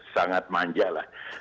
sangat manja lah